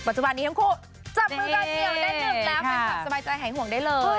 จุบันนี้ทั้งคู่จับมือกันเหนียวแน่นหนึ่งแล้วแฟนคลับสบายใจหายห่วงได้เลย